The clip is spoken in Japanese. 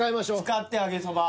使って揚げそば。